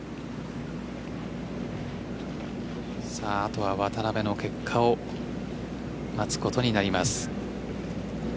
あとは渡邉の結果を待つことになります。